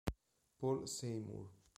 Paul Seymour